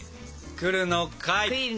来るのかい。